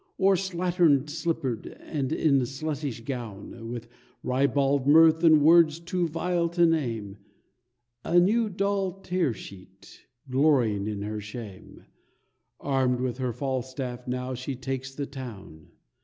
Or slattern slippered and in sluttish gown, With ribald mirth and words too vile to name, A new Doll Tearsheet, glorying in her shame, Armed with her Falstaff now she takes the town.